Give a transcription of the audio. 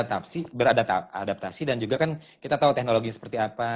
adaptasi dan juga kan kita tahu teknologi seperti apa